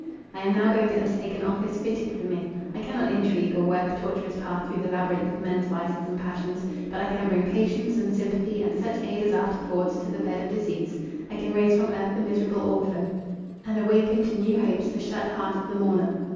"I am now going to undertake an office fitted for me. I cannot intrigue, or work a tortuous path through the labyrinth of men's vices and passions; but I can bring patience, and sympathy, and such aid as art affords, to the bed of disease; I can raise from earth the miserable orphan, and awaken to new hopes the shut heart of the mourner.